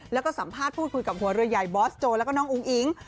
แล้วก็สัมภาษณ์พูดคุยกับหัวเรือใหญ่บอสโจแล้วก็น้องอุ้งอิง